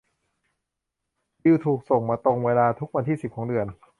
บิลถูกส่งมาตรงเวลาทุกวันที่สิบของเดือน